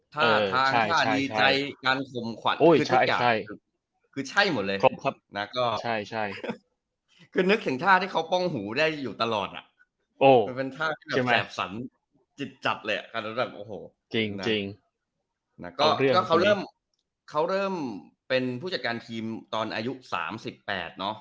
ถ้าที่ใจการคมขวัดคือทุกการณ์คือใช่หมดเลยนะครับคือนึกถึงท่าที่เค้าป้องหูได้อยู่ตลอดอ่ะมันเป็นท่าแบบแสบสันจิบจับเลยอ่ะค่ะแล้วเริ่มเป็นผู้จัดการทีมตอนอายุ๓๘เนาะ